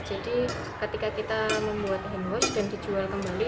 jadi ketika kita membuat hand wash dan dijual kembali